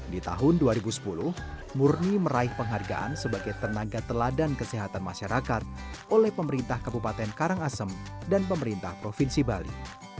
di tahun dua ribu sepuluh murni meraih penghargaan sebagai tenaga teladan kesehatan masyarakat oleh pemerintah kabupaten karangasem dan pemerintah provinsi bali